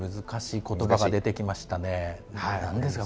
難しいことばが出てきましたね。